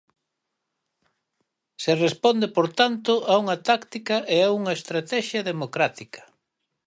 Se responde por tanto a unha táctica e a unha estratexia democrática.